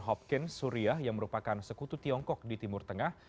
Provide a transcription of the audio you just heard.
hopkin suria yang merupakan sekutu tiongkok di timur tengah